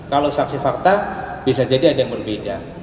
kalau saksi fakta bisa jadi ada yang berbeda